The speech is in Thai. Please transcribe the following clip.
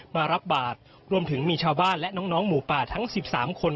มารับบาทรวมถึงมีชาวบ้านและน้องหมูป่าทั้ง๑๓คน